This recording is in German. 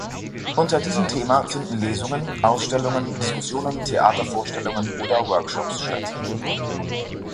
Unter diesem Thema finden Lesungen, Ausstellungen, Diskussionen, Theatervorstellungen oder Workshops statt.